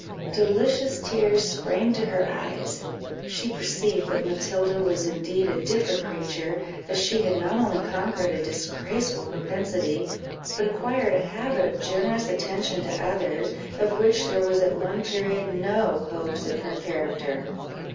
Delicious tears sprang to her eyes; she perceived that Matilda was indeed a different creature; that she had not only conquered a disgraceful propensity, but acquired a habit of generous attention to others, of which there was at one period no hopes in her character.